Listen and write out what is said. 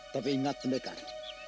tapi ingat pendekar